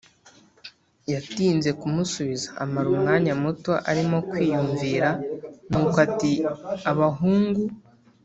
yatinze kumusubiza amara umwanya muto arimo kwiyumvira nuko ati: “ abahungu”!